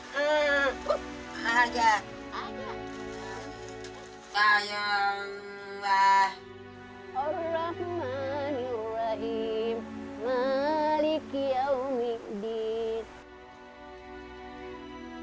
hai eh eh aja aja kayak mbah orang maniwaim malik yaumidid